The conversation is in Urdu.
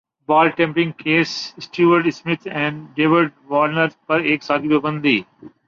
بال ٹیمپرنگ کیس اسٹیو اسمتھ اور ڈیوڈ وارنر پر ایک سال کی پابندی